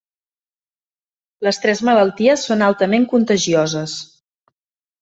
Les tres malalties són altament contagioses.